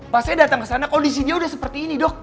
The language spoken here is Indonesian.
pas saya datang kesana kondisi dia udah seperti ini dok